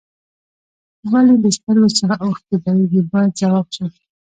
ولې له سترګو څخه اوښکې بهیږي باید ځواب شي.